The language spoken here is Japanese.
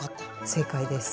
正解です。